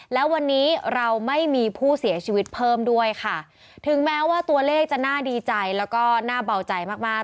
แล้ววันนี้เราไม่มีผู้เสียชีวิตเพิ่มด้วยค่ะถึงแม้ว่าตัวเลขจะน่าดีใจแล้วก็น่าเบาใจมากมาก